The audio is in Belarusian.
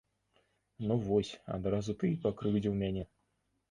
Ну вось, адразу ты і пакрыўдзіў мяне.